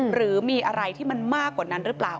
หรือมีอะไรที่มันมากกว่านั้นหรือเปล่า